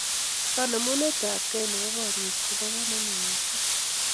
kanemunetab kei eng pororyet kopo kamanut missing